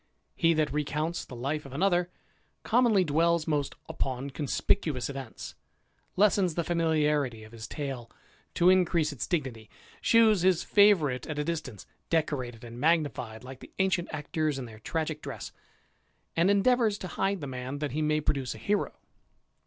He that recounts the *^e of another, commonly dwells most upon conspicuous ^^^nts, lessens the familiarity of his tale to increase its 328 . THE IDLER. dignity, shews his favourite at a distance, decorated ancL magnified like the ancient actors in their tragick dress, an(7 endeavours to hide the man that he may produce a hero.